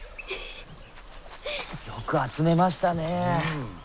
よく集めましたね。